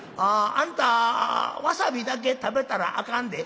「あんたワサビだけ食べたらあかんで」。